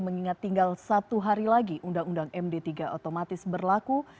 mengingat tinggal satu hari lagi undang undang md tiga otomatis berlaku